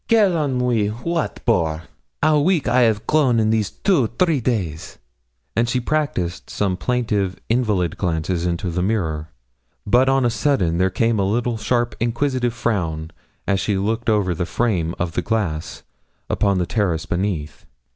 Quel ennui! wat bore! Ow weak av I grow in two three days!' And she practised some plaintive, invalid glances into the mirror. But on a sudden there came a little sharp inquisitive frown as she looked over the frame of the glass, upon the terrace beneath.